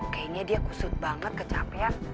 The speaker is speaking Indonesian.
kayaknya dia kusut banget kecapean